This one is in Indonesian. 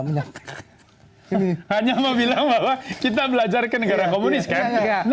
hanya mau bilang bahwa kita belajar ke negara komunis kan